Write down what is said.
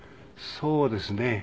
そうですね。